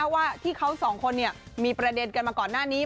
ว่าที่เขาสองคนมีประเด็นกันมาก่อนหน้านี้